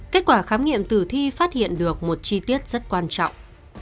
kết quả khám nghiệm tử thi phát hiện được một chi tiết rất quan trọng